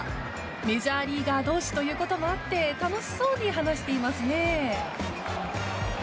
メジャーリーガー同士ということもあって楽しそうに話していますね。